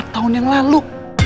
empat tahun yang lalu